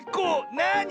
なに。